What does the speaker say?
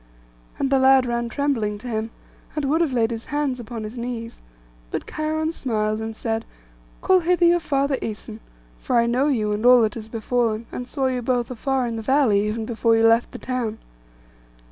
And the lad ran trembling to him, and would have laid his hands upon his knees; but Cheiron smiled, and said, 'Call hither your father Æson, for I know you, and all that has befallen, and saw you both afar in the valley, even before you left the town.